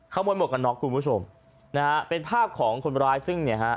ขโมยหมวกกันน็อกคุณผู้ชมนะฮะเป็นภาพของคนร้ายซึ่งเนี่ยฮะ